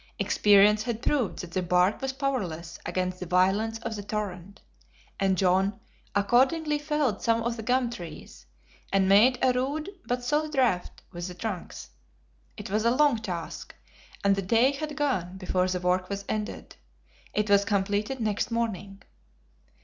Experience had proved that the bark was powerless against the violence of the torrent, and John accordingly felled some of the gum trees, and made a rude but solid raft with the trunks. It was a long task, and the day had gone before the work was ended. It was completed next morning.